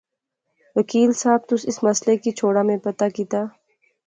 وکیل صاحب، تس اس مسئلے کی چھوڑا میں پتہ کیتا